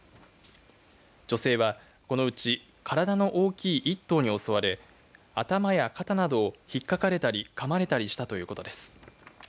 女性は、このうち体の大きい１頭に襲われ頭や肩などを、ひっかかれたりかまれたりしたということです。